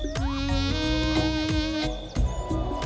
dia menemukan hutan yang berada di bawah